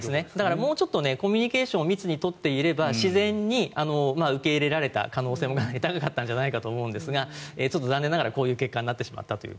もうちょっとコミュニケーションを密に取っていれば自然に受け入れられた可能性も高かったんじゃないかと思うんですがちょっと残念ながらこういう結果になってしまったと。